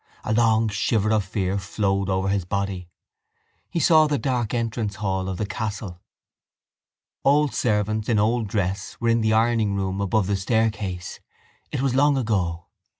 A long shiver of fear flowed over his body. He saw the dark entrance hall of the castle. Old servants in old dress were in the ironingroom above the staircase. It was long ago.